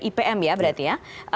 ipm ya berarti ya